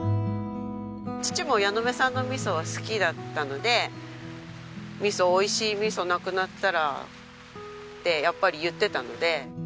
父も矢ノ目さんの味噌は好きだったので「美味しい味噌なくなったら」ってやっぱり言ってたので。